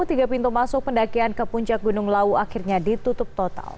tiga pintu masuk pendakian ke puncak gunung lawu akhirnya ditutup total